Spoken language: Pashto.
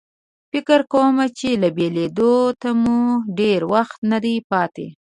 فکر کوم چې له بېلېدو ته مو ډېر وخت نه دی پاتې.